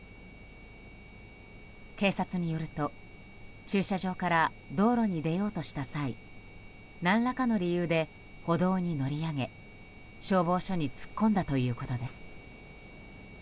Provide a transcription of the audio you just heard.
警察によると、駐車場から道路に出ようとした際何らかの理由で歩道に乗り上げ消防署に突っ込んだということです。